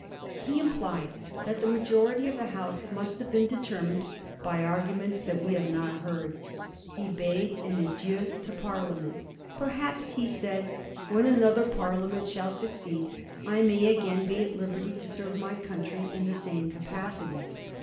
He im plied that the majority of the House must have been de termined " by arguments that we have not heard." He bade an adieu to Parliament. ^' Perhaps,'' he said, *' when another Parliament shall succeed, I may again be at lib erty to serve my country in the same capacity."